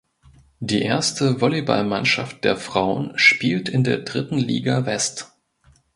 Die erste Volleyballmannschaft der Frauen spielt in der Dritten Liga West.